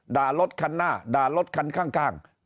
รถคันหน้าด่ารถคันข้าง